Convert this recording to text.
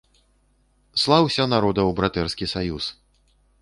Слаўся, народаў братэрскі саюз!